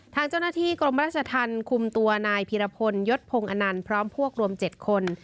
ทางเจ้าหน้าที่กรมราชธรรมคุมตัวนายพีรพลยศพงศ์อนันต์พร้อมพวกรวม๗คน